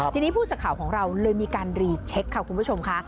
ทีนี้ผู้สื่อข่าวของเราเลยมีการรีเช็คค่ะคุณผู้ชมค่ะ